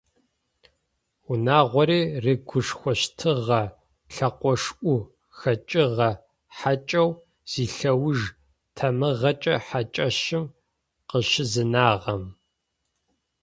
Унагъори рыгушхощтыгъэ лӏэкъошӏу хэкӏыгъэ хьакӏэу зилъэуж тамыгъэкӏэ хьакӏэщым къыщызынагъэм.